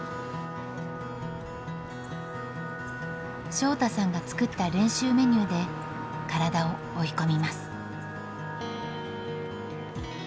翔大さんが作った練習メニューで体を追い込みます。